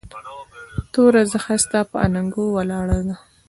توره زخه ستا پهٔ اننګو ولاړه ده